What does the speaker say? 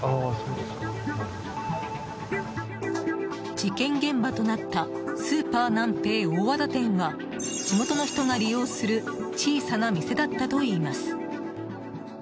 事件現場となったスーパーナンペイ大和田店は地元の人が利用する小さな店だったといいます。